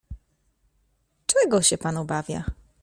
"Czego się pan obawia?"